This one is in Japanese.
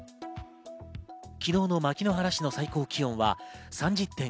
昨日の牧之原市の最高気温は３０．５度。